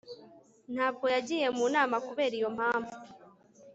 Ntabwo yagiye mu nama kubera iyo mpamvu